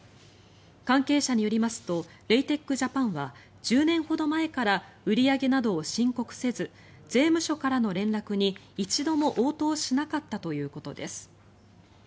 関係者によりますとレイテック・ジャパンは１０年ほど前から売り上げなどを申告せず税務署からの連絡に一度も応答しなかったということです。